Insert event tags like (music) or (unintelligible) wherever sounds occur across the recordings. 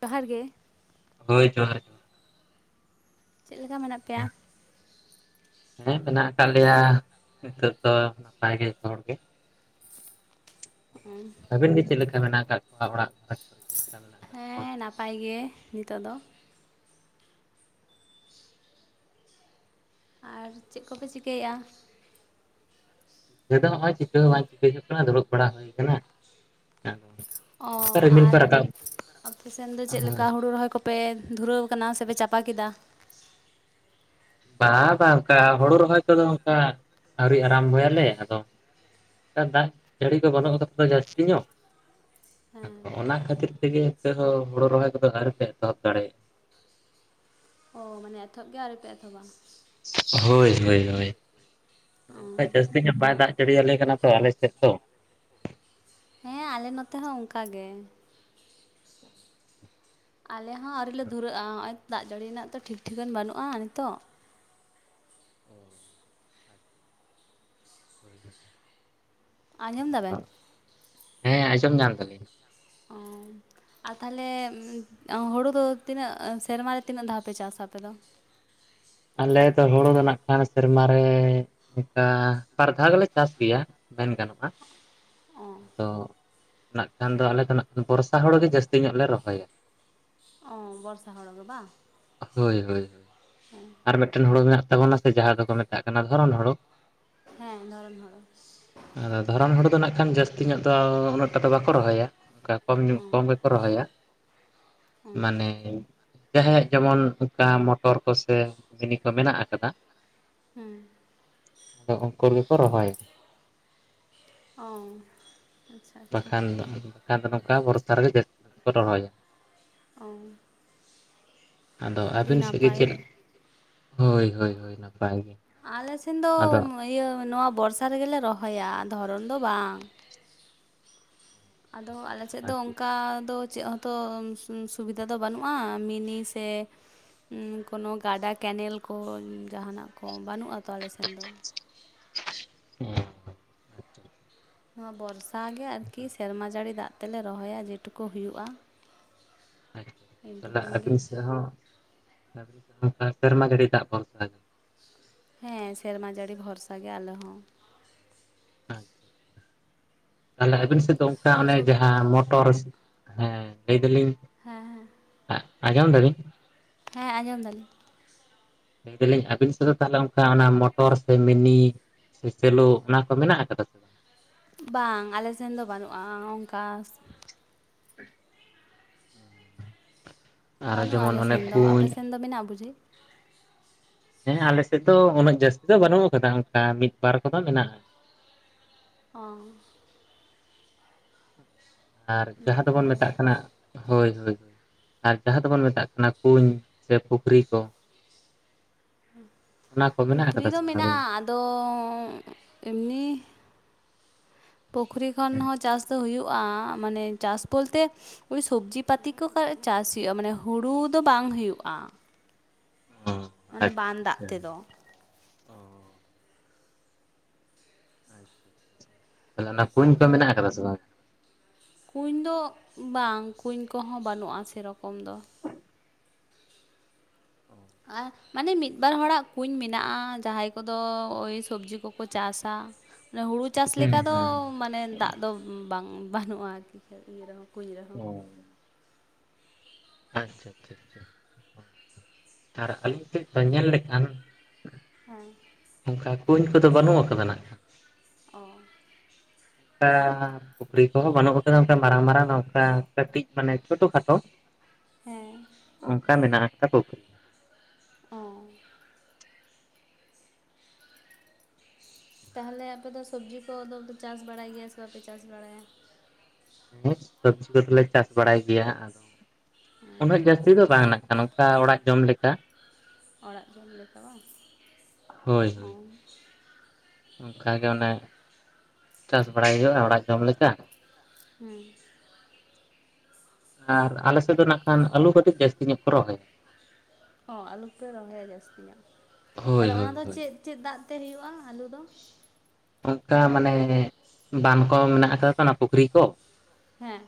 ᱡᱚᱦᱟᱨ ᱜᱮ ᱦᱳᱭᱛᱳ (unintelligible) ᱪᱮᱫ ᱞᱮᱠᱟ ᱢᱮᱱᱟᱜ ᱯᱮᱭᱟ ᱦᱮᱸ ᱢᱮᱱᱟᱜ ᱟᱠᱟᱫ ᱞᱮᱭᱟ ᱱᱤᱛᱚᱜ ᱫᱚ ᱱᱟᱯᱟᱭ ᱜᱮ ᱡᱚᱛᱚ ᱦᱚᱲ ᱜᱮ ᱦᱮᱻ ᱟᱵᱮᱱ ᱜᱮ ᱪᱮᱫ ᱞᱮᱠᱟ ᱢᱮᱱᱟᱜ ᱟᱠᱟᱫ ᱵᱤᱱᱟ ᱚᱲᱟᱜ ᱜᱷᱟᱨᱚᱸᱡᱽ ᱠᱚᱨᱮ ᱪᱮᱫ ᱞᱮᱠᱟ ᱢᱮᱱᱟᱜ ᱟᱠᱟᱫ ᱠᱚᱣᱟ ᱦᱮᱸ ᱱᱟᱯᱟᱭ ᱜᱮ ᱱᱤᱛᱳᱜ ᱫᱚ ᱟᱨ ᱪᱮᱫ ᱠᱚᱯᱮ ᱪᱤᱠᱟᱹᱭᱮᱫᱟ? ᱱᱤᱛᱚᱜ ᱱᱚᱜ ᱚᱭ ᱪᱤᱠᱟᱹ ᱦᱚᱸ ᱵᱟᱝ ᱪᱤᱠᱟᱹ ᱦᱳᱭᱳᱜ ᱠᱟᱱᱟ ᱫᱩᱲᱩᱵ ᱵᱟᱲᱟ ᱦᱩᱭ ᱟᱠᱟᱱᱟ - ᱚ ᱟᱨ ᱟᱯᱮ ᱥᱮᱱ ᱫᱚ ᱪᱮᱫ ᱞᱮᱠᱟ ᱦᱳᱭ ᱦᱩᱲᱩ ᱨᱚᱦᱚᱭ ᱠᱚ? ᱯᱮ ᱫᱷᱩᱨᱟᱹᱣ ᱟᱠᱟᱱᱟ ᱥᱮᱯᱮ ᱪᱟᱯᱟ ᱠᱮᱫᱟ? ᱵᱟᱝ ᱵᱟᱝ ᱚᱱᱠᱟ ᱦᱩᱲᱩ ᱨᱚᱦᱚᱭ ᱠᱚᱫᱚ ᱚᱱᱠᱟ ᱟᱹᱣᱨᱤ ᱟᱨᱟᱢ ᱵᱚᱭ ᱟᱞᱮ ᱟᱫᱚ ᱫᱟᱜ ᱡᱟᱹᱲᱤ ᱠᱚ ᱵᱟᱹᱱᱩᱜ ᱠᱟᱫᱟ ᱛᱚ ᱡᱟᱹᱥᱛᱤ ᱧᱚᱜ ᱦᱮᱸ (unintelligible) ᱚᱱᱟ ᱠᱷᱟᱹᱛᱤᱨ ᱛᱮᱜᱮ ᱱᱤᱛᱟᱹ ᱦᱚᱸ ᱦᱳᱲᱳ ᱨᱚᱦᱚᱭ ᱠᱚᱫᱚ ᱟᱨᱣᱨᱤᱯᱮ ᱮᱛᱚᱦᱚᱵ ᱫᱟᱲᱮᱭᱟᱜᱼᱟ ᱚ ᱢᱟᱱᱮ ᱮᱛᱚ ᱦᱚᱵ ᱜᱮ ᱟᱣᱨᱤ ᱯᱮ ᱮᱛᱚᱵᱟ ᱦᱳᱭ ᱦᱳᱭ ᱦᱳᱭ ᱚ ᱡᱟᱹᱥᱛᱤ ᱧᱚᱜ ᱵᱟᱭ ᱫᱟᱜ ᱡᱟᱹᱲᱤ ᱟᱞᱮ ᱠᱟᱱᱟ ᱛᱚ ᱟᱞᱮ ᱥᱮᱫ ᱫᱚ ᱦᱮᱸ ᱟᱞᱮ ᱱᱚᱛᱮ ᱦᱚᱸ ᱚᱱᱠᱟ ᱜᱮ ᱟᱞᱮ ᱦᱚᱸ ᱟᱹᱣᱨᱤ ᱞᱮ ᱫᱷᱩᱨᱟᱹᱜᱼᱟ ᱱᱚᱜᱼᱚᱭ ᱫᱟᱜ ᱡᱟᱹᱲᱤ ᱨᱮᱱᱟᱜ ᱛᱚ ᱴᱷᱤᱠ ᱴᱷᱤᱠᱟᱹᱱ ᱵᱟᱹᱱᱩᱜᱼᱟ ᱱᱤᱛᱚᱜ ᱚ ᱟᱪᱪᱷᱟ ᱟᱪᱪᱷᱟ ᱟᱸᱡᱚᱢ ᱟᱫᱚ ᱮᱫᱟᱵᱮᱱ ᱦᱮᱸ ᱟᱸᱡᱚᱢ ᱧᱟᱢᱭᱮᱫᱟ ᱞᱤᱧ ᱚᱻ ᱟᱨ ᱛᱟᱦᱚᱞᱮ ᱦᱩᱲᱩ ᱫᱚ ᱛᱤᱱᱟᱹᱜ ᱥᱮᱨᱢᱟ ᱨᱮ ᱛᱤᱱᱟᱹᱜ ᱫᱷᱟᱣ ᱯᱮ ᱪᱟᱥᱟ ᱟᱯᱮ ᱫᱚ? ᱟᱞᱮ ᱫᱚ ᱦᱩᱲᱩ ᱫᱚ ᱱᱟᱜ ᱠᱷᱟᱱ ᱥᱮᱨᱢᱟ ᱨᱮ ᱚᱱᱠᱟ ᱵᱟᱨ ᱫᱷᱟᱣ ᱜᱮᱞᱮ ᱪᱟᱥ ᱜᱮᱭᱟ ᱢᱮᱱ ᱜᱟᱱᱚᱜᱼᱟ ᱚ ᱟᱫᱚ- ᱱᱟᱜ ᱠᱷᱟᱱ ᱫᱚ ᱟᱞᱮ ᱫᱚ ᱱᱟᱜ ᱵᱚᱨᱥᱟ ᱦᱳᱲᱳ ᱜᱮ ᱡᱟᱹᱥᱛᱤ ᱧᱚᱜ ᱞᱮ ᱨᱚᱦᱚᱭᱟ ᱚ ᱵᱚᱨᱥᱟ ᱦᱚᱲ ᱜᱮ ᱵᱟᱝ ᱦᱳᱭ ᱦᱳᱭ ᱦᱮᱸ (unintelligible) ᱟᱨ ᱢᱤᱫ ᱴᱮᱱ ᱦᱳᱲᱳ ᱢᱮᱱᱟᱜ ᱛᱟᱵᱚᱱᱟ ᱥᱮ ᱡᱟᱦᱟᱸ ᱫᱚᱠᱚ ᱢᱮᱛᱟᱜ ᱠᱟᱱᱟ ᱫᱷᱚᱨᱚᱱ ᱦᱳᱲᱳ ᱦᱮᱸ ᱫᱷᱚᱨᱚᱱ ᱦᱳᱲᱳ ᱟᱫᱚ ᱫᱷᱚᱨᱚᱱ ᱦᱳᱲᱳ ᱫᱚ ᱱᱟᱜ ᱠᱷᱟᱱ ᱡᱟᱹᱥᱛᱤ ᱧᱚᱜ ᱫᱚ ᱩᱱᱟᱹᱜ ᱴᱟᱜ ᱫᱚ ᱵᱟᱠᱚ ᱨᱚᱦᱚᱭᱟ ᱚᱱᱠᱟ ᱠᱚᱢ ᱧᱩᱜ ᱚ ᱠᱚᱢ ᱜᱮᱠᱚ ᱨᱚᱦᱚᱭᱟ ᱚ ᱢᱟᱱᱮ ᱡᱟᱦᱟᱸᱭᱟᱜ ᱡᱮᱢᱚᱱ ᱚᱱᱠᱟ ᱢᱚᱴᱚᱨ ᱠᱚ ᱥᱮ ᱢᱤᱱᱤ ᱠᱚ ᱢᱮᱱᱟᱜ ᱟᱠᱟᱫᱟ ᱦᱮᱸ ᱟᱫᱚ ᱩᱱᱠᱩ ᱜᱮᱠᱚ ᱨᱚᱦᱚᱭᱟ ᱚᱻ ᱵᱟᱠᱷᱟᱱ ᱵᱟᱠᱷᱟᱱ ᱫᱚ ᱱᱚᱝᱠᱟ ᱵᱚᱨᱥᱟ ᱨᱮᱜᱮ ᱡᱟᱹᱥᱛᱤ ᱧᱚᱜ ᱠᱚ ᱨᱚᱦᱚᱭᱟ ᱚᱻ ᱟᱫᱚ ᱟᱹᱵᱤᱱ ᱥᱮᱫ ᱱᱟᱯᱟᱭ ᱜᱮ (inaudible) ᱦᱳᱭ ᱦᱳᱭ ᱦᱳᱭ ᱱᱟᱯᱟᱭ ᱟᱞᱮ ᱥᱮᱱ ᱫᱚ ᱜᱮ᱾ᱟᱫᱚ ᱤᱭᱟᱹ ᱱᱚᱣᱟ ᱵᱚᱨᱥᱟ ᱨᱮᱜᱮᱞᱮ ᱨᱚᱦᱚᱭᱟ᱾ ᱫᱷᱚᱨᱚᱱ ᱫᱚ ᱵᱟᱝ ᱟᱫᱚ ᱟᱞᱮᱥᱮᱫ ᱫᱚ ᱚᱱᱠᱟ ᱫᱚ ᱪᱮᱫ ᱦᱚᱸᱛᱚ ᱥᱩᱵᱤᱫᱷᱟ ᱫᱚ ᱵᱟᱹᱱᱩᱜᱼᱟ᱾ ᱢᱤᱱᱤ ᱥᱮ ᱠᱚᱱᱳ ᱜᱟᱰᱟ ᱠᱮᱱᱮᱞ ᱠᱚ ᱡᱟᱦᱟᱱᱟᱜ ᱠᱚ ᱵᱟᱹᱱᱩᱜ ᱟ ᱛᱚ ᱟᱞᱮᱥᱮᱱ ᱫᱚ (unintelligible) ᱱᱚᱣᱟ ᱵᱚᱨᱥᱟ ᱜᱮ ᱟᱨᱠᱤ ᱥᱮᱨᱢᱟ ᱡᱟᱹᱲᱤ ᱫᱟᱜ ᱛᱮᱞᱮ ᱨᱚᱦᱚᱭᱟ ᱡᱮᱴᱩᱠᱩ ᱦᱩᱭᱩᱜᱼᱟ᱾ ᱟᱪᱪᱷᱟ ᱟᱪᱪᱷᱟ ᱤᱱ ᱾ᱛᱟᱦᱳᱞᱮ ᱴᱩᱠᱩᱱ ᱜᱮ ᱟᱵᱮᱱ ᱥᱮ ᱦᱚ, ᱟᱵᱮᱱ ᱥᱮ ᱦᱚ ᱴᱨᱮᱠᱴᱟᱨ ᱜᱟᱹᱰᱤ ᱨᱮᱭᱟᱜ ᱫᱟᱜ ᱵᱷᱚᱨᱥᱟ ᱟᱠᱟᱱᱟ ᱾ ᱦᱮᱸ ᱥᱮᱨᱢᱟ ᱡᱟᱹᱲᱤ ᱵᱷᱚᱨᱥᱟ ᱜᱮ ᱟᱞᱮ ᱦᱚᱸ ᱟᱪᱪᱷᱟ (inaudible) ᱟᱹᱵᱤᱱ ᱥᱮᱫ ᱫᱚ ᱚᱱᱠᱟ ᱛᱟᱦᱞᱮ ᱚᱱᱮ ᱥᱚᱵ ᱡᱟᱦᱟᱸ ᱢᱚᱴᱚᱨ ᱥᱮ ᱦᱮᱸ ᱞᱟᱹᱭ ᱫᱟᱞᱤᱧ ᱦᱮᱸ ᱦᱮᱸ ᱟᱜ ᱟᱸᱡᱚᱢ ᱫᱟᱵᱤᱱ ᱦᱮᱸ ᱟᱸᱡᱚᱢ ᱫᱟᱞᱤᱧ ᱞᱟᱹᱭ ᱫᱟᱞᱤᱧ ᱟᱯᱮ ᱥᱮᱱ ᱫᱚ ᱛᱟᱦᱚᱞᱮ ᱚᱱᱠᱟ ᱢᱚᱴᱚᱨ ᱥᱮ ᱢᱤᱱᱤ ᱥᱮᱞᱳ ᱚᱱᱟ ᱠᱚ ᱢᱮᱱᱟᱜ ᱟᱠᱟᱫᱟ ᱥᱮ ᱵᱟᱝ? ᱵᱟᱝ ᱟᱞᱮ ᱥᱮᱱ ᱫᱚ ᱵᱟᱹᱱᱩᱜᱼᱟ ᱚᱱᱠᱟ (inaudible) ᱟᱨ ᱵᱟᱹᱱᱩᱜᱼᱟ ᱡᱮᱢᱚᱱ ᱚᱱᱮ ᱟᱞᱮᱥᱮᱱ ᱫᱚ᱾ ᱟᱯᱮ ᱠᱩᱧ ᱥᱮᱱ ᱫᱚ ᱢᱮᱱᱟᱜ-ᱟ ᱵᱩᱡᱤ ᱦᱮᱸ ᱟᱞᱮ ᱥᱮᱫ ᱫᱚ ᱩᱱᱟᱹᱜ ᱡᱟᱹᱥᱛᱤ ᱫᱚ ᱵᱟᱹᱱᱩᱜ-ᱟ ᱠᱟᱫᱟ ᱚᱱᱠᱟ ᱢᱤᱫ ᱵᱟᱨ ᱠᱚᱫᱚ ᱢᱮᱱᱟᱜᱼᱟ᱾ (unintelligible) ᱟᱨ ᱡᱟᱦᱟᱸ ᱱᱟᱯᱟᱭ ᱫᱚᱵᱚᱱ ᱢᱮᱛᱟᱜ ᱠᱟᱛᱷᱟ ᱠᱟᱱᱟ ᱦᱳᱭ ᱦᱳᱭ ᱟᱨ ᱡᱟᱦᱟᱸ ᱫᱚᱵᱚᱱ ᱢᱮᱛᱟᱜ ᱠᱟᱱᱟ ᱠᱩᱧ ᱥᱮ ᱯᱩᱠᱷᱨᱤ ᱠᱚ ᱚᱱᱟ ᱠᱚ ᱢᱮᱱᱟᱜ ᱯᱩᱠᱷᱨᱤ ᱟᱠᱟᱫᱟ ᱫᱚ ᱥᱮ ᱵᱟᱝ ᱟᱵᱤᱱ? ᱢᱮᱱᱟᱜᱼᱟ᱾ ᱟᱫᱚ ᱮᱢᱱᱤ ᱯᱩᱠᱷᱨᱤ ᱠᱷᱚᱱ ᱦᱚᱸ ᱪᱟᱥ ᱫᱚ ᱦᱩᱭᱩᱜᱼᱟ᱾ ᱢᱟᱱᱮ ᱪᱟᱥ ᱵᱚᱞᱛᱮ ᱥᱚᱵᱽᱡᱤ ᱯᱟᱹᱛᱤ ᱠᱚ ᱪᱟᱥ ᱦᱩᱭᱩᱜᱼᱟ ᱢᱟᱱᱮ ᱦᱩᱲᱩ ᱫᱚ ᱵᱟᱝ ᱦᱩᱭᱩᱜᱼᱟ᱾ ᱚ ᱢᱟᱱᱮ ᱟᱪᱪᱷᱟ ᱵᱟᱱ ᱫᱟᱜ ᱟᱪᱪᱷᱟ ᱛᱮᱫᱚ ᱚ ᱟᱪᱪᱷᱟ ᱟᱪᱪᱷᱟ᱾ ᱛᱟᱦᱚᱞᱮ ᱚᱱᱟ ᱠᱩᱧ ᱠᱚ ᱢᱮᱱᱟᱜ ᱟᱠᱟᱫᱟ ᱥᱮ ᱵᱟᱝ? ᱠᱩᱧ ᱫᱚ ᱵᱟᱝ ᱠᱩᱧ ᱠᱚᱦᱚᱸ ᱵᱟᱱᱩᱜᱼᱟ ᱥᱮ ᱨᱚᱠᱚᱢ ᱫᱚ ᱚ ᱟᱨ ᱢᱟᱱᱮ ᱢᱤᱫ ᱵᱟᱨ ᱦᱚᱲᱟᱜ ᱠᱩᱧ ᱢᱮᱱᱟᱜᱼᱟ᱾ ᱡᱟᱦᱟᱸᱭ ᱠᱚᱫᱚ ᱳᱭ ᱥᱚᱵᱽᱡᱤ ᱠᱚᱠᱚ ᱪᱟᱥᱟ ᱱᱮ ᱦᱩᱲᱩᱡᱽ ᱪᱟᱥ ᱦᱩᱸ ᱞᱮᱠᱟ ᱫᱚ ᱦᱩᱸ ᱢᱟᱱᱮ ᱫᱟᱜ ᱫᱚ ᱵᱟᱝ, ᱵᱟᱝ ᱵᱟᱹᱱᱩᱜᱼᱟ ᱟᱨᱠᱤ ᱤᱭᱟᱹ ᱨᱮᱦᱚ, ᱠᱩᱧ ᱨᱮᱦᱚ ᱚ ᱟᱪᱪᱷᱟ ᱟᱪᱪᱷᱟ, ᱦᱳᱭ ᱦᱳᱭ᱾ᱟᱨ ᱟᱹᱞᱤᱧ ᱥᱮᱫ ᱧᱮᱞ ᱞᱮᱠᱷᱟᱱ ᱦᱮᱸ ᱚᱱᱠᱟ ᱠᱩᱧ ᱠᱚᱫᱚ ᱵᱟᱹᱱᱩᱜ ᱟᱠᱟᱫᱟ᱾ ᱱᱟᱜ ᱠᱷᱟᱱ ᱚᱸ ᱟ ᱯᱩᱠᱷᱨᱤ ᱠᱚᱦᱚᱸ ᱵᱟᱹᱱᱩᱜ ᱟᱠᱟᱫᱟ, ᱚᱱᱠᱟ ᱢᱟᱨᱟᱝ ᱢᱟᱨᱟᱝ ᱚᱝᱠᱟ ᱠᱟᱹᱴᱤᱡ ᱢᱟᱱᱮ ᱪᱷᱳᱴᱚ ᱠᱷᱟᱴᱳ ᱦᱮᱸ ᱚᱱᱠᱟ ᱢᱮᱱᱟᱜ ᱠᱟᱫᱟ ᱯᱩᱠᱷᱨᱤ᱾ ᱚ ᱛᱟᱦᱚᱞᱮ ᱟᱯᱮ ᱫᱚ ᱥᱚᱵᱽᱡᱤ ᱠᱚᱫᱚ ᱯᱮ ᱪᱟᱥ ᱵᱟᱲᱟᱭ ᱜᱮᱭᱟ ᱥᱮ ᱵᱟᱯᱮ ᱪᱟᱥ ᱵᱟᱲᱟᱭᱟ ᱦᱮᱸ ᱥᱚᱵᱽᱡᱤ ᱠᱚᱫᱚᱞᱮ ᱪᱟᱥ ᱵᱟᱲᱟᱭ ᱜᱮᱭᱟ ᱟᱫᱚ ᱦᱮᱸ ᱩᱱᱟᱹᱜ ᱡᱟᱹᱥᱛᱤ ᱫᱚ ᱵᱟᱝ ᱱᱟᱜ ᱠᱷᱟᱱ ᱚᱱᱠᱟ ᱚᱲᱟᱜ ᱡᱚᱢ ᱞᱮᱠᱟ ᱟᱲᱟᱜ ᱡᱚᱢ ᱞᱮᱠᱟ‌ ᱵᱟᱝ ᱚᱱᱠᱟ ᱜᱮ ᱚᱱᱮ ᱪᱟᱥ ᱵᱟᱲᱟᱭ ᱜᱮᱭᱟᱞᱮ ᱚᱲᱟᱜ ᱡᱚᱢ ᱞᱮᱠᱟ᱾ ᱦᱩᱸ᱾ ᱟᱨ ᱟᱞᱮᱥᱮᱫ ᱫᱚ ᱱᱟᱜ ᱠᱷᱟᱱ ᱟᱹᱞᱩ ᱠᱟᱹᱴᱤᱡ ᱡᱟᱹᱥᱛᱤ ᱧᱚᱜ ᱠᱚ ᱨᱚᱦᱚᱭᱟ᱾ ᱦᱚᱸ ᱟᱞᱩᱯᱮ ᱨᱚᱦᱚᱭᱟ ᱡᱟᱹᱥᱛᱤ ᱧᱚᱜ᱾ ᱦᱳᱭ ᱛᱟᱦᱞᱮ ᱚᱱᱟ ᱦᱳᱭ ᱫᱚ ᱦᱳᱭ ᱪᱮᱫ? ᱪᱮᱫ ᱫᱟᱜ ᱛᱮ ᱦᱩᱭᱩᱜᱼᱟ ᱟᱹᱞᱩ ᱫᱚ? ᱚᱝᱠᱟ ᱢᱟᱱᱮ ᱵᱟᱱ ᱠᱚ ᱢᱮᱱᱟᱜ ᱟᱠᱟᱫᱟ ᱛᱚ ᱚᱱᱟ ᱯᱩᱠᱷᱨᱤ ᱠᱚ, ᱦᱮᱸ᱾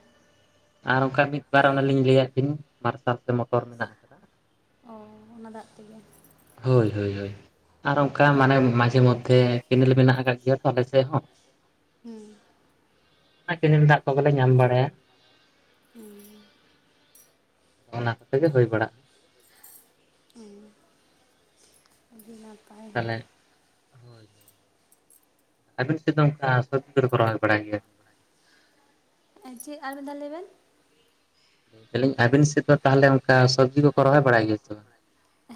ᱟᱨ ᱚᱝᱠᱟ ᱢᱤᱫ ᱵᱟᱨ ᱚᱱᱮ ᱞᱤᱧ ᱞᱟᱹᱭᱟᱫ ᱵᱤᱱ ᱢᱟᱨᱥᱟᱞ ᱥᱮ ᱢᱚᱴᱚᱨ ᱢᱮᱱᱟᱜᱼᱟ᱾ ᱚ ᱚᱱᱟ ᱫᱟᱜ ᱛᱮᱜᱮ ᱦᱳᱭ ᱦᱳᱭ ᱦᱳᱭ ᱟᱨ ᱚᱝᱠᱟ ᱢᱟᱱᱮ ᱢᱟᱡᱷᱮ ᱢᱚᱫᱽᱫᱷᱮ ᱠᱮᱱᱮᱞ ᱢᱮᱱᱟᱜ ᱟᱠᱟᱫ ᱜᱮᱭᱟ ᱛᱚ ᱟᱞᱮ ᱥᱮᱫ ᱦᱚᱸ᱾ ᱦᱮᱸ᱾ (unintelligible) ᱠᱮᱱᱮᱞ ᱫᱟᱜ ᱠᱚ ᱜᱮᱞᱮ ᱧᱟᱢ ᱵᱟᱲᱟᱭᱟ᱾ ᱚᱱᱟ ᱠᱚᱛᱮ ᱜᱮ ᱦᱳᱭ ᱵᱟᱲᱟᱜᱼᱟ᱾ ᱟᱹᱰᱤ ᱱᱟᱯᱟᱭ᱾ ᱛᱟᱦᱚᱞᱮ ᱦᱳᱭ ᱟᱹᱵᱤᱱ ᱥᱮᱫ ᱫᱚ ᱚᱝᱠᱟ ᱥᱚᱵᱽᱡᱤ ᱠᱚᱫᱚ ᱠᱚ ᱨᱚᱦᱚᱭ ᱵᱟᱲᱟᱭ ᱜᱮᱭᱟ? ᱪᱮᱫ ᱟᱨ ᱢᱤᱜᱫᱷᱟᱣ ᱞᱟᱹᱭ ᱵᱮᱱ᱾ (unintelligible) ᱟᱵᱤᱱ ᱥᱮᱫ ᱫᱚ ᱛᱟᱦᱞᱮ ᱚᱝᱠᱟ ᱥᱚᱵᱽᱡᱤ ᱠᱚᱠᱚ ᱨᱚᱦᱚᱭ ᱵᱟᱲᱟᱭ ᱜᱮᱭᱟ ᱥᱮ ᱵᱟᱝ?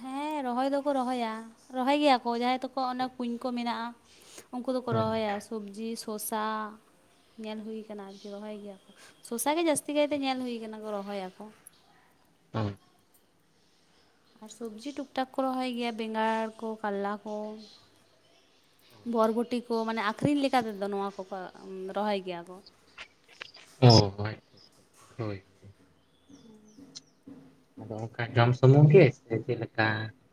ᱦᱮᱸ ᱨᱚᱦᱚᱭ ᱫᱚᱠᱚ ᱨᱚᱦᱚᱭ-ᱟ᱾ ᱨᱚᱦᱚᱭ ᱜᱮᱭᱟ ᱠᱚ ᱡᱟᱦᱟᱸᱭ ᱛᱟᱠᱚᱣᱟᱜ ᱚᱱᱮ ᱠᱩᱸᱧ ᱠᱚ ᱢᱮᱱᱟᱜᱼᱟ᱾ ᱩᱱᱠᱩ ᱫᱚᱠᱚ ᱨᱚᱦᱚᱭ-ᱟ᱾ ᱥᱚᱵᱽᱡᱤ, ᱥᱚᱥᱟ ᱧᱮᱞ ᱦᱩᱭ ᱠᱟᱱᱟ ᱟᱨ ᱠᱤ ᱨᱚᱦᱚᱭ ᱜᱮᱭᱟ ᱠᱚ᱾ ᱥᱚᱥᱟ ᱜᱮ ᱡᱟᱹᱥᱛᱤ ᱠᱟᱭ ᱛᱮ ᱧᱮᱞ ᱦᱩᱭ ᱠᱟᱱᱟ ᱠᱚ ᱨᱚᱦᱚᱭ-ᱟ ᱠᱚ᱾ (unintelligible) ᱟᱨ ᱥᱚᱵᱽᱡᱤ ᱴᱩᱠ ᱴᱟᱠ ᱠᱚ ᱨᱚᱦᱚᱭ ᱜᱮᱭᱟ ᱵᱮᱸᱜᱟᱲ ᱠᱚ ᱠᱟᱞᱞᱟ ᱠᱚ᱾ ᱵᱚᱨᱵᱚᱴᱤ ᱠᱚ ᱢᱟᱱᱮ ᱟᱠᱷᱨᱤᱧ ᱞᱮᱠᱟ ᱛᱮ ᱫᱚ ᱱᱚᱣᱟ ᱠᱚᱠᱚ ᱨᱚᱦᱚᱭ ᱜᱮᱭ-ᱟ ᱠᱚ᱾ ᱚ᱾ ᱦᱳᱭ ᱦᱳᱭ (inaudible) ᱚᱝᱠᱟ ᱡᱚᱢ ᱥᱩᱢᱩᱝ ᱜᱮ ᱥᱮ ᱪᱮᱫ ᱞᱮᱠᱟ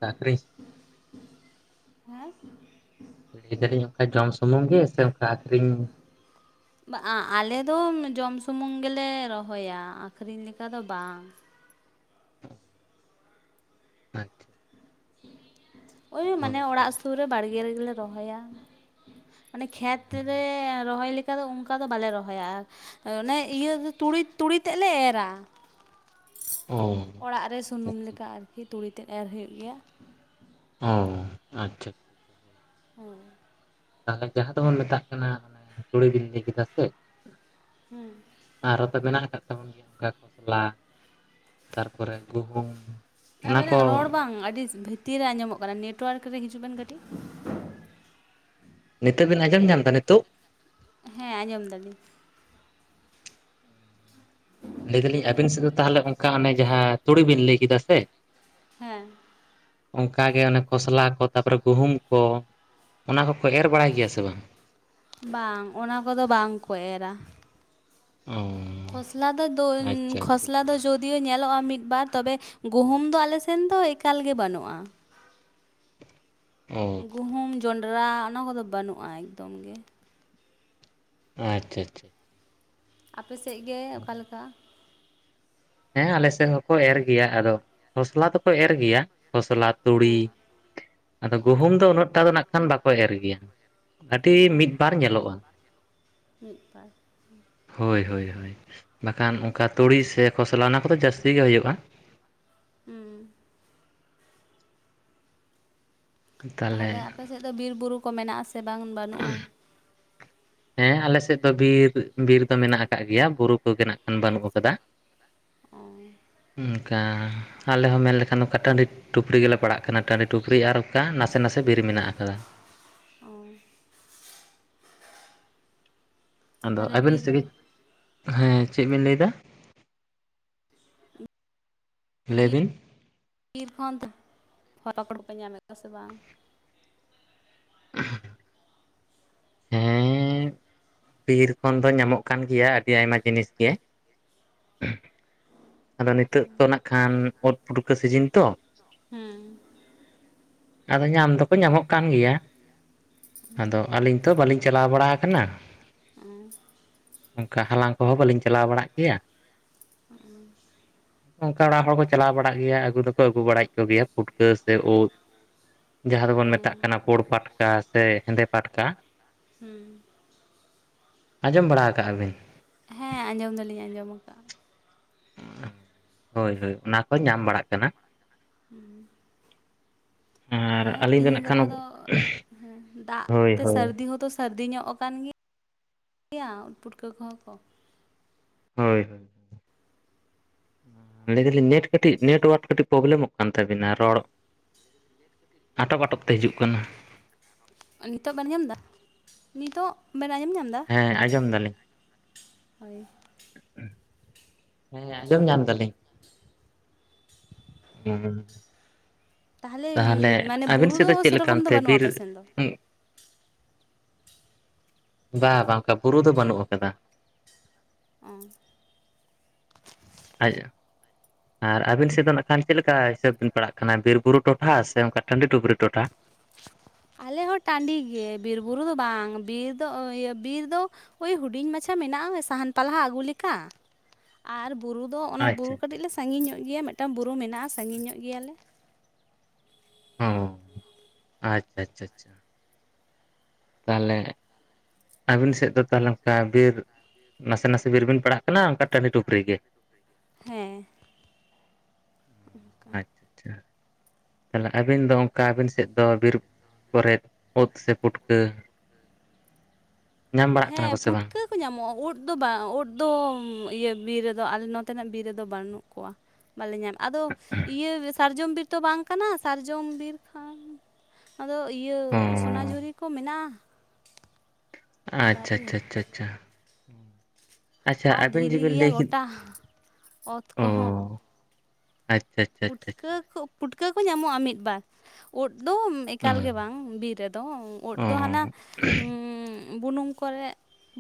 ᱟᱹᱠᱷᱨᱤᱧ? ᱦᱮᱸ ᱞᱟᱹᱭ ᱫᱟᱹᱞᱤᱧ ᱚᱝᱠᱟ ᱡᱚᱢ ᱥᱩᱢᱩᱝ ᱜᱮ ᱥᱮ ᱚᱝᱠᱟ ᱟᱹᱷᱨᱤᱧ? ᱟᱞᱮ ᱫᱚ ᱡᱚᱢ ᱥᱩᱢᱩᱝ ᱜᱮᱞᱮ ᱨᱚᱦᱚᱭ-ᱟ ᱟᱹᱠᱷᱨᱤᱧ ᱞᱮᱠᱟ ᱫᱚ ᱵᱟᱝ᱾ ᱟᱪᱪᱷᱟ᱾ ᱳᱭ ᱢᱟᱱᱮ ᱦᱳᱭ ᱛᱚ ᱚᱲᱟᱜ ᱥᱩᱨ ᱨᱮ ᱵᱟᱲᱜᱮ ᱨᱮᱜᱮ ᱞᱮ ᱨᱚᱦᱚᱭ-ᱟ᱾ ᱢᱟᱱᱮ ᱠᱷᱮᱛ ᱨᱮ ᱨᱚᱦᱚᱭ ᱞᱮᱠᱟᱱ ᱚᱝᱠᱟ ᱫᱚ ᱵᱟᱞᱮ ᱨᱚᱦᱚᱭ-ᱟ᱾ ᱚᱱᱮ ᱤᱭᱟᱹ ᱛᱩᱲᱤ ᱛᱩᱲᱤ ᱛᱮᱫ ᱞᱮ ᱮᱨᱟ᱾ ᱚ ᱚᱲᱟᱜ ᱨᱮ ᱟᱪᱪᱷᱟ ᱥᱩᱱᱩᱢ ᱟᱪᱪᱷᱟ ᱞᱮᱠᱟ ᱟᱨ ᱠᱤ ᱛᱩᱲᱤ ᱛᱮᱫ ᱮᱨ ᱦᱳᱭᱳᱜ ᱜᱮᱭ-ᱟ᱾ ᱚ ᱟᱪᱪᱷᱟ᱾ (unintelligible) ᱛᱟᱦᱞᱮ ᱡᱟᱦᱟᱸ ᱫᱚ ᱵᱚᱱ ᱢᱮᱛᱟᱜ ᱠᱟᱱᱟ᱾ ᱛᱩᱲᱤ ᱵᱤᱱ ᱞᱟᱹᱭ ᱠᱮᱫᱟ ᱥᱮ? (unintelligible) ᱟᱨ ᱦᱚᱸ ᱛᱚ ᱢᱮᱱᱟᱣ ᱟᱠᱟᱫ (unintelligible) ᱠᱷᱚᱥᱞᱟ ᱛᱟᱨᱯᱚᱨᱮ ᱜᱩᱦᱩᱢ᱾ ᱚᱱᱟ ᱟᱵᱮᱱᱟᱜ ᱠᱚ ᱨᱚᱲ ᱵᱟᱝ ᱟᱹᱰᱤ ᱵᱷᱤᱛᱤᱨ ᱨᱮ ᱟᱸᱡᱚᱢᱚᱜ ᱠᱟᱱᱟ᱾ ᱱᱮᱴᱚᱣᱟᱨᱠ ᱨᱮ ᱦᱤᱡᱩᱜ ᱵᱮᱱ ᱠᱟᱹᱴᱤᱡ᱾ ᱱᱤᱛᱚᱜ ᱵᱤᱱ ᱟᱸᱡᱚᱢ ᱧᱟᱢ ᱫᱟ ᱱᱤᱛᱚᱜ? ᱦᱮᱸ ᱟᱸᱡᱚᱢ ᱫᱟᱹᱞᱤᱧ᱾ ᱞᱟᱹᱭ ᱫᱟᱹᱞᱤᱧ ᱟᱵᱤᱱ ᱥᱮᱫ ᱫᱚ ᱛᱟᱦᱞᱮ ᱚᱝᱠᱟ ᱚᱱᱮ ᱡᱟᱦᱟᱸ ᱛᱩᱲᱤ ᱵᱤᱱ ᱞᱟᱹᱭ ᱠᱮᱫᱟ ᱥᱮ? ᱦᱮᱸ᱾ ᱚᱱᱠᱟ ᱜᱮ ᱚᱱᱮ ᱠᱷᱚᱥᱞᱟ ᱠᱚ ᱛᱟᱯᱚᱨᱮ ᱜᱩᱦᱩᱢ ᱠᱚ᱾ ᱚᱱᱟ ᱦᱚᱸ ᱠᱚ ᱮᱨ ᱵᱟᱲᱟᱭ ᱜᱮᱭᱟ ᱥᱮ ᱵᱟᱝ? ᱵᱟᱝ, ᱚᱱᱟ ᱠᱚ ᱫᱚ ᱵᱟᱝ ᱠᱚ ᱮᱨᱟ᱾ ᱚ᱾ ᱠᱷᱚᱥᱞᱟ ᱫᱚ (unintelligible) ᱟᱪᱪᱷᱟ ᱟᱪᱪᱷᱟ ᱠᱷᱚᱥᱞᱟ ᱫᱚ (unintelligible) ᱡᱳᱫᱤᱭᱳ ᱧᱮᱞᱚᱜᱼᱟ ᱢᱤᱫ ᱵᱟᱨ ᱛᱚ ᱵᱮ ᱜᱩᱦᱩᱢ ᱫᱚ ᱟᱞᱮ ᱥᱮᱱ ᱫᱚ ᱮᱠᱟᱞ ᱜᱮ ᱵᱟᱹᱱᱩᱜᱼᱟ᱾ ᱚ᱾ ᱜᱩᱦᱩᱢ ᱡᱚᱸᱱᱰᱨᱟ ᱚᱱᱟ ᱠᱚᱫᱚ ᱵᱟᱹᱱᱩᱜᱼᱟ ᱮᱠᱫᱚᱢ ᱜᱮ᱾ ᱟᱪᱪᱷᱟ ᱟᱪᱪᱷᱟ᱾ ᱟᱯ ᱥᱮᱡ ᱜᱮ ᱚᱠᱟ ᱞᱮᱠᱟ? ᱦᱮᱸ ᱟᱞᱮ ᱥᱮᱱ ᱦᱚᱸᱠᱚ ᱮᱨ ᱜᱮᱭᱟ ᱟᱫᱚ ᱠᱷᱚᱥᱞᱟ ᱫᱚᱠᱚ ᱮᱨ ᱜᱮᱭᱟ ᱠᱷᱚᱥᱞᱟ ᱛᱩᱲᱤ᱾ ᱦᱮᱸ ᱟᱫᱚ ᱜᱩᱦᱩᱢ ᱫᱚ ᱩᱱᱟᱹᱜ ᱴᱟ ᱫᱚ ᱱᱟᱜ ᱠᱷᱟᱱ ᱵᱟᱠᱚ ᱮᱨ ᱜᱮᱭᱟ᱾ ᱟᱹᱰᱤ ᱢᱤᱫ ᱵᱟᱨ ᱧᱮᱞᱚᱜ-ᱟ᱾ ᱢᱤᱫ ᱵᱟᱨ ᱦᱳᱭ ᱦᱳᱭ ᱦᱚᱭ ᱵᱟᱠᱷᱟᱱ ᱚᱱᱠᱟ ᱛᱩᱲᱤ ᱥᱮ ᱠᱷᱚᱥᱞᱟ ᱚᱱᱟ ᱠᱚᱫᱚ ᱡᱟᱹᱥᱛᱤ ᱜᱮ ᱦᱩᱭᱩᱜ-ᱟ᱾ ᱩᱸ᱾ ᱛᱟᱦᱚᱞᱮ ᱟᱯᱮ ᱥᱮᱜ ᱫᱚ ᱵᱤᱨᱼᱵᱩᱨᱩ ᱠᱚ ᱢᱮᱱᱟᱜ ᱟᱥᱮ ᱵᱟᱝ ᱵᱟᱹᱱᱩᱜ-ᱟ? ᱦᱮᱸ ᱟᱞᱮ ᱥᱮᱜ ᱫᱚ ᱵᱤᱨ ᱵᱤᱨ ᱫᱚ ᱢᱮᱱᱟᱜ ᱟᱠᱟᱜ ᱜᱮᱭᱟ ᱵᱩᱨᱩ ᱠᱚᱜᱮ ᱱᱟᱜ ᱠᱷᱟᱱ ᱵᱟᱱᱩᱜ ᱟᱠᱟᱫᱟ᱾ ᱚᱸ᱾ ᱩᱱᱠᱟ ᱟᱞᱮ ᱦᱚᱸ ᱢᱮᱱ ᱞᱮᱠᱷᱟᱱ ᱱᱚᱠᱟ ᱴᱟᱸᱰᱤ ᱴᱩᱯᱨᱤ ᱜᱮᱞᱮ ᱯᱟᱲᱟᱜ ᱠᱟᱱᱟ ᱴᱟᱺᱰᱤ ᱴᱩᱯᱨᱤ ᱟᱨ ᱚᱱᱠᱟ ᱱᱟᱥᱮ ᱱᱟᱥᱮ ᱵᱤᱨ ᱢᱮᱱᱟᱜ ᱟᱠᱟᱫᱟ᱾ ᱚᱸ᱾ ᱟᱫᱚ ᱛᱟᱦᱚᱞᱮ ᱟᱵᱤᱱ ᱵᱤᱨ ᱥᱮ ᱜᱤᱡ? ᱦᱮᱸ ᱪᱮᱜ ᱵᱤᱱ ᱞᱟᱹᱭ ᱫᱟ, ᱞᱟᱹᱭ ᱵᱤᱱ? ᱵᱤᱨ ᱠᱚ ᱦᱚᱸ ᱚᱱᱛᱮ ᱠᱷᱚᱱ ᱫᱚ ᱦᱚᱨᱯᱚᱲ ᱯᱮ ᱧᱟᱢᱮᱜ ᱠᱚᱣᱟ ᱥᱮ ᱵᱟᱝ? (inaudible) ᱦᱮᱸᱻ᱾ ᱵᱤᱨ ᱠᱷᱚᱱ ᱫᱚ ᱧᱟᱢᱚᱜ ᱠᱟᱱ ᱜᱮᱭᱟ ᱟᱹᱰᱤ ᱟᱭᱢᱟ ᱡᱤᱱᱤᱥ ᱜᱮ᱾ ᱟᱫᱚ ᱱᱤᱛᱚᱜ ᱫᱚ ᱱᱟᱜ ᱠᱷᱟᱱ ᱚᱛ ᱯᱩᱴᱠᱟᱹ ᱥᱤᱡᱤᱱ ᱛᱚ᱾ ᱦᱮᱸ᱾ ᱟᱫᱚ ᱧᱟᱢ ᱫᱚᱠᱚ ᱧᱟᱢᱚᱜ ᱠᱟᱱ ᱜᱮᱭᱟ᱾ ᱟᱫᱚ ᱟᱞᱤᱧ ᱛᱚ ᱵᱟᱞᱤᱧ ᱪᱟᱞᱟᱣ ᱵᱟᱲᱟ ᱟᱠᱟᱱᱟ᱾ ᱚᱹ᱾ ᱚᱱᱠᱟ ᱦᱟᱞᱟᱝ ᱠᱚᱦᱚᱸ ᱵᱟᱹᱞᱤᱧ ᱪᱟᱞᱟᱣ ᱵᱟᱲᱟᱜ ᱜᱮᱭᱟ᱾ ᱚᱸᱜ ᱩᱸ᱾ ᱱᱚᱝᱠᱟ ᱚᱲᱟᱜ ᱦᱚᱲ ᱠᱚ ᱪᱟᱞᱟᱣ ᱵᱟᱲᱟᱜ ᱜᱮᱭᱟ ᱟᱹᱜᱩ ᱫᱚᱠᱚ ᱟᱹᱜᱩ ᱵᱟᱲᱟᱭᱮᱜ ᱠᱚ ᱜᱮᱭᱟ ᱯᱩᱴᱠᱟᱹ ᱥᱮ ᱩᱫ᱾ ᱡᱟᱦᱟᱸ ᱫᱚᱵᱚᱱ ᱦᱮᱸ ᱢᱮᱛᱟᱜ ᱠᱟᱱᱟ ᱯᱩᱬ ᱯᱟᱴᱠᱟ ᱥᱮ ᱦᱮᱸᱫᱮ ᱯᱟᱴᱠᱟ᱾ ᱦᱩᱸ᱾ ᱟᱸᱡᱚᱢ ᱵᱟᱲᱟ ᱦᱟᱠᱟᱜ-ᱟ ᱵᱤᱱ? ᱦᱮᱸ ᱟᱸᱡᱚᱢ ᱫᱚᱞᱤᱧ ᱟᱸᱡᱚᱢ ᱟᱠᱟᱜ-ᱟ᱾ ᱦᱚᱭ ᱦᱚᱭ ᱚᱱᱟ ᱠᱚ ᱧᱟᱢ ᱵᱟᱲᱟᱜ ᱠᱟᱱᱟ᱾ ᱦᱩᱸ᱾ ᱦᱮᱸ ᱟᱨ ᱟᱹᱞᱤᱧ ᱛᱤᱦᱤᱧ ᱱᱟᱜ ᱠᱷᱟᱱ ᱜᱟᱯᱟ ᱫᱚ ᱦᱮᱸ ᱫᱟᱜ ᱦᱳᱭ ᱛᱮ ᱦᱳᱭ ᱥᱟᱹᱨᱫᱤ ᱦᱚᱸᱛᱚ ᱥᱼᱼ ᱥᱟᱹᱨᱫᱤ ᱧᱚᱜ ᱟᱠᱟᱱ ᱜᱮᱭᱟ ᱩᱸᱛ ᱯᱩᱴᱠᱟᱹ ᱠᱚᱦᱚᱸ ᱠᱚᱼᱼ ᱦᱚᱭ ᱦᱚᱭ ᱞᱟᱹᱭ ᱫᱟᱞᱤᱧ ᱱᱮᱴ‌ ᱠᱟᱹᱴᱤᱡ ᱱᱮᱴᱣᱟᱨ ᱠᱟᱹᱴᱤᱡᱼᱼ ᱯᱨᱚᱵᱮᱞᱮᱢ ᱢᱚᱜ ᱠᱟᱱ ᱛᱟᱹᱵᱤᱱᱟ ᱨᱚᱲ ᱟᱸᱴᱚᱠ ᱟᱸᱴᱚᱠ ᱛᱮ ᱦᱤᱡᱩᱜ ᱠᱟᱱᱟ᱾ ᱱᱤᱛᱚᱜ ᱵᱮᱱ ᱟᱧᱚᱢ ᱫᱟ, ᱱᱤᱛᱚᱜ ᱵᱮᱱ ᱟᱸᱡᱚᱢ ᱧᱟᱢ ᱫᱟ? ᱦᱮᱸ ᱟᱸᱡᱚᱢ ᱫᱟᱞᱤᱧ᱾ ᱦᱚᱭ᱾ ᱦᱮᱸ ᱟᱸᱡᱚᱢ ᱧᱟᱢ ᱫᱟᱞᱤᱧ᱾ (inaudible) ᱦᱩᱸᱻ᱾ ᱛᱟᱦᱚᱞᱮ ᱛᱟᱦᱟᱞᱮ ᱢᱟᱱᱮ ᱟᱵᱤᱱ ᱵᱩᱨᱩ ᱥᱮᱜ ᱫᱚ ᱪᱮᱜ ᱞᱮᱠᱟ ᱥᱮᱨᱚᱠᱚᱢ ᱫᱚ ᱚᱱᱛᱮ ᱵᱟᱹᱱᱩᱜᱼᱟ ᱵᱤᱨ ᱟᱯᱮ ᱥᱮᱱ ᱫᱚ ᱩᱸᱜᱼᱼ ᱵᱟ ᱵᱟ ᱚᱝᱠᱟ ᱵᱩᱨᱩ ᱫᱚ ᱵᱟᱱᱩᱜ ᱟᱠᱟᱫᱟ᱾ ᱚᱸ᱾ ᱟᱡᱼᱼ ᱟᱨ ᱟᱵᱤᱱ ᱥᱮᱜ ᱫᱚ ᱱᱟᱜ ᱠᱷᱟᱱ ᱪᱮᱫ ᱞᱮᱠᱟ ᱦᱤᱥᱟᱹᱵᱽ ᱵᱮᱱ ᱯᱟᱲᱟᱜ ᱠᱟᱱᱟ ᱵᱤᱨ ᱵᱩᱨᱩ ᱴᱚᱴᱷᱟ ᱥᱮ ᱚᱱᱠᱟ ᱴᱟᱺᱰᱤ ᱴᱩᱯᱨᱤ ᱴᱚᱴᱷᱟ? ᱟᱞᱮ ᱦᱚᱸ ᱴᱟᱸᱰᱤ ᱜᱮ ᱵᱤᱨᱼᱵᱩᱨᱩ ᱫᱚ ᱵᱟᱝ ᱵᱤᱨ ᱫᱚ ᱚ ᱤᱭᱟᱹ ᱵᱤᱨ ᱫᱚᱼᱼ ᱳᱭ ᱦᱩᱰᱤᱧ ᱢᱟᱪᱷᱟ ᱢᱮᱱᱟᱜ-ᱟ ᱥᱟᱦᱟᱱ ᱯᱟᱞᱦᱟ ᱟᱜᱩ ᱞᱮᱠᱟ ᱟᱨ ᱵᱩᱨᱩᱼᱼ ᱫᱚ ᱚᱱᱟ ᱵᱩᱨᱩ ᱟᱪᱪᱷᱟ ᱠᱟᱹᱴᱤᱡ ᱞᱮ ᱴᱤ ᱛᱚ ᱥᱟᱸᱜᱤᱧ ᱧᱚᱜ ᱜᱮᱭᱟ ᱢᱤᱫᱴᱟᱝ ᱵᱩᱨᱩ ᱢᱮᱱᱟᱜ-ᱟ ᱥᱟᱺᱜᱤᱧᱚᱜ ᱜᱮᱭᱟ ᱞᱮ᱾ ᱚᱸ ᱟᱪᱪᱷᱟ ᱟᱪᱪᱷᱟ ᱪᱷᱦ ᱛᱟᱹᱞᱮ ᱟᱹᱵᱤᱱ ᱥᱮᱫ ᱫᱚ ᱛᱟᱞᱟᱝ ᱴᱟᱨᱜᱮᱨ ᱱᱟᱥᱮ ᱱᱟᱥᱮ ᱫᱷᱟᱨᱤ ᱵᱤᱱ ᱯᱟᱲᱦᱟᱜ ᱠᱟᱱᱟ ᱚᱱᱠᱟ ᱴᱟᱺᱰᱤ ᱴᱩᱠᱟᱹᱨᱤ ᱜᱮ ᱦᱮᱸ ᱟᱪᱪᱷᱟ ᱟᱪᱪᱷᱟ ᱛᱟᱦᱚᱞᱮ ᱟᱹᱵᱤᱱ ᱫᱚ ᱚᱱᱠᱟ ᱵᱤᱨ ᱟᱹᱵᱤᱱ ᱥᱮᱫ ᱫᱚ ᱠᱚᱨᱮᱫ ᱚᱛ ᱥᱮ ᱯᱩᱴᱠᱟᱹ ᱧᱟᱢ ᱵᱟᱲᱟᱜ ᱠᱟᱱᱟ ᱦᱮᱸ ᱠᱚ ᱥᱮ ᱵᱟᱝ? ᱯᱩᱴᱠᱟᱹ ᱠᱚ ᱧᱟᱢᱚᱜᱼᱟ ᱩᱫ ᱫᱚ ᱵᱟᱝ ᱩᱫ ᱫᱚ ᱤᱭᱟᱹ ᱵᱤᱨ ᱨᱮᱫᱚ ᱟᱞᱮ ᱱᱚᱛᱮᱱᱟᱜ ᱵᱤᱨ ᱨᱮᱫᱚ ᱵᱟᱹᱱᱩᱜ ᱠᱚᱣᱟ ᱵᱟᱞᱮ ᱧᱟᱢ ᱟᱫᱚ ᱤᱭᱟᱹ ᱥᱟᱨᱡᱚᱢ ᱵᱤᱨ ᱛᱚ ᱵᱟᱝ ᱠᱟᱱᱟ ᱥᱟᱨᱡᱚᱢ ᱵᱤᱨ ᱠᱷᱟᱱ ᱟᱫᱚ ᱤᱭᱟᱹ ᱚ ᱥᱚᱱᱟᱡᱷᱩᱨᱤ ᱠᱚ ᱢᱮᱱᱟᱜᱼᱟ ᱟᱪᱪᱷᱟ ᱫᱟᱨᱮ ᱻᱪᱷᱟᱻ ᱪᱷᱟᱻ ᱪᱷᱟ ᱟᱪᱪᱷᱟ ᱟᱨ ᱟᱵᱮᱱ ᱫᱷᱤᱨᱤ ᱡᱮᱵᱮᱱ ᱜᱮᱭᱟ ᱞᱟᱹᱭ ᱠᱮᱫᱽ ᱜᱚᱴᱟ ᱚᱛ ᱠᱚᱦᱚᱸ ᱚᱸ ᱟᱪᱪᱷᱟ ᱟᱪᱪᱷᱟ ᱟᱪᱪᱷᱟ ᱯᱩᱴᱠᱟᱹ ᱠᱚ ᱯᱩᱴᱠᱟᱹ ᱠᱚ ᱧᱟᱢᱚᱜᱼᱟ ᱢᱤᱫ ᱵᱟᱨ ᱩᱫ ᱫᱚ ᱮᱠᱟᱞ ᱜᱮ ᱵᱟᱝ ᱵᱤᱨ ᱨᱮᱫᱚ ᱩᱫ ᱫᱚ ᱦᱟᱱᱟ ᱦᱩᱸ ᱵᱩᱱᱩᱝ ᱠᱚᱨᱮ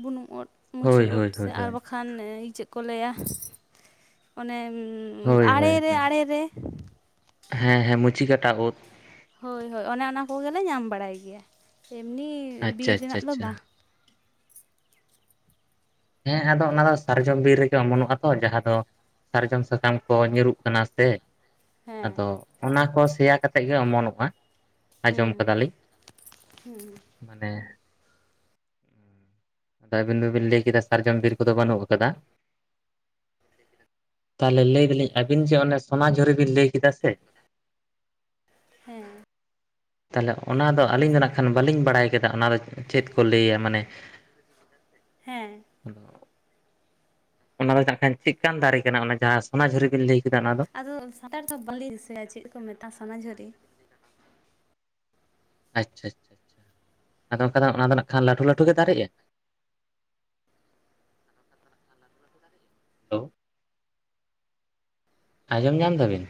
ᱵᱩᱱᱩᱝ ᱚᱫ ᱚ ᱢᱩᱪᱤ ᱦᱳᱭ ᱩᱫ ᱦᱳᱭ ᱥᱮ ᱦᱳᱭ ᱟᱨ ᱦᱳᱭ ᱵᱟᱠᱷᱟᱱ ᱠᱷᱟᱮ (unintelligible) ᱤ ᱪᱮᱫ ᱠᱚ ᱞᱟᱹᱭᱟ ᱚᱱᱮ ᱦᱚᱭ ᱦᱚᱭ ᱟᱲᱮᱨᱮ ᱟᱲᱮᱨᱮ ᱦᱮᱸ ᱦᱮᱸ ᱢᱩᱪᱤᱠᱟᱴᱟ ᱩᱫ ᱦᱚᱭ ᱦᱚᱭ ᱚᱱᱮ ᱚᱱᱟ ᱠᱚᱜᱮᱞᱮ ᱧᱟᱢ ᱵᱟᱲᱟᱭ ᱜᱮᱭᱟ ᱪᱤᱢᱱᱤ ᱵᱤᱨ ᱟᱪᱪᱷᱟ ᱟᱪᱪᱷᱟ ᱨᱮᱱᱟᱜ ᱫᱚ ᱟᱪᱪᱷᱟ ᱵᱟᱝ ᱦᱮᱸ ᱟᱫᱚ ᱚᱱᱟ ᱫᱚ ᱥᱟᱨᱡᱚᱢ ᱵᱤᱨ ᱨᱮᱜᱮ ᱚᱢᱚᱱᱚᱜᱼᱟ ᱛᱚ ᱡᱟᱦᱟᱸ ᱫᱚ ᱥᱟᱨᱡᱚᱢ ᱥᱟᱠᱟᱢ ᱠᱚ ᱧᱩᱨᱩᱜ ᱠᱟᱱᱟ ᱥᱮ ᱟᱫᱚ ᱦᱮᱸ ᱚᱱᱟ ᱠᱚ ᱥᱮᱭᱟ ᱠᱟᱛᱮᱫ ᱜᱮ ᱚᱢᱚᱱᱚᱜᱼᱟ ᱟᱸᱡᱚᱢ ᱦᱩᱸ ᱠᱮᱫᱟᱞᱤᱧ ᱦᱩᱸ ᱢᱟᱱᱮ ᱟᱫᱚ ᱟᱹᱵᱤᱱ ᱫᱚᱵᱤᱱ ᱞᱟᱹᱭ ᱠᱮᱫᱟ ᱥᱟᱨᱡᱚᱢ ᱵᱤᱨ ᱠᱚᱫᱚ ᱵᱟᱹᱱᱩᱜ ᱟᱠᱟᱫᱟ ᱛᱟᱦᱚᱞᱮ ᱞᱟᱹᱭ ᱟᱞᱤᱧ ᱟᱵᱤᱱ ᱡᱮ ᱚᱱᱮ ᱥᱚᱱᱟᱡᱷᱩᱨᱤ ᱵᱤᱱ ᱞᱟᱹᱭ ᱠᱮᱫᱟ ᱥᱮ ᱦᱮᱸ ᱛᱟᱦᱚᱞᱮ ᱚᱱᱟᱫᱚ ᱟᱹᱞᱤᱧ ᱫᱚ ᱱᱟᱜ ᱠᱷᱟᱱ ᱵᱟᱹᱞᱤᱧ ᱵᱟᱲᱟᱭ ᱠᱮᱫᱟ ᱚᱱᱟ ᱫᱚ ᱪᱮᱫ ᱠᱚ ᱞᱟᱹᱭᱟ ᱢᱟᱱᱮ ᱦᱮᱸ ᱚᱱᱟ ᱫᱚ ᱡᱮᱠᱷᱟᱱ ᱪᱮᱫ ᱞᱮᱠᱟᱱ ᱫᱟᱨᱮ ᱠᱟᱱᱟ ᱚᱱᱟ ᱡᱟᱦᱟᱸ ᱥᱚᱱᱟᱷᱩᱨᱤ ᱵᱤᱱ ᱞᱟᱹᱭ ᱠᱮᱫᱟ ᱚᱱᱟ ᱫᱚ? ᱟᱫᱚ ᱥᱟᱱᱛᱟᱲ ᱫᱚ ᱵᱟᱞᱮᱧ ᱫᱤᱥᱟᱹᱭᱟ ᱪᱮᱫ ᱠᱚ ᱢᱮᱛᱟᱜᱼᱟ ᱥᱚᱱᱟᱡᱷᱩᱨᱤ (unintelligible) ᱟᱪᱪᱷᱟ ᱟᱪᱪᱷᱟ ᱟᱪᱪᱷᱟ ᱟᱫᱚ ᱚᱱᱠᱷᱟ ᱚᱱᱟ ᱫᱚ ᱱᱮᱜ ᱠᱷᱟᱱ ᱞᱟᱹᱴᱩ ᱞᱟᱹᱴᱩ ᱜᱮ ᱫᱟᱨᱮᱜᱼᱟ (unintelligible) ᱦᱟᱞᱚᱸ ᱟᱸᱡᱚᱢ ᱧᱟᱢ ᱢᱮᱜᱼᱟ ᱟᱵᱤᱱ